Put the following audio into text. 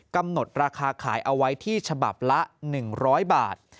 กำหนดราคาขายเอาไว้ที่ฉบับละ๑๐๐บาท